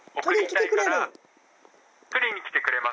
取りに来てくれる？